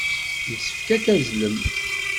Yessefk ad tazzlem.